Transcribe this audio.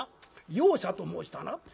容赦と申したな。